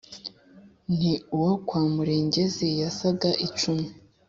Nti: Uwo kwa Murengezi yasaga icumi